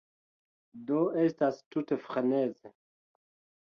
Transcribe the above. Do estas tute freneze.